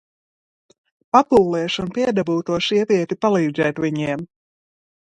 Papūlies, un piedabū to sievieti palīdzēt viņiem!